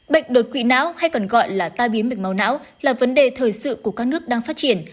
bệnh đột quỵ não hay còn gọi là tai biến mạch máu não là vấn đề thời sự của các nước đang phát triển